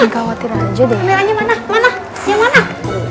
khawatir aja deh